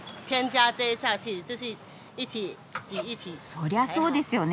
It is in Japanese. そりゃそうですよね。